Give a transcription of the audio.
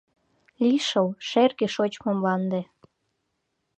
Лишыл, шерге шочмо мланде